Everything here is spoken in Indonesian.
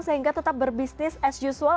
sehingga tetap berbisnis as usual